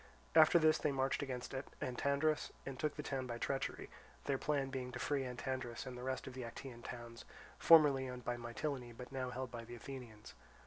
After this they marched against Antandrus and took the town by treachery, their plan being to free Antandrus and the rest of the Actaean towns, formerly owned by Mitylene but now held by the Athenians.